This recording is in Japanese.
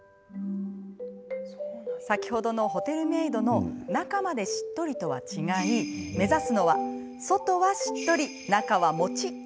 先ほどのホテルメイドの中までしっとりとは違い目指すのは外はしっとり、中はもちっ。